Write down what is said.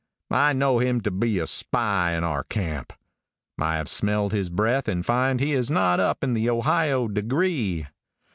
I know him to be a spy in our camp. I have smelled his breath and find he is not up in the Ohio degree.